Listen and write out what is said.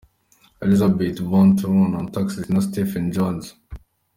Elisabeth von Thurn und Taxis na Stephen Jones .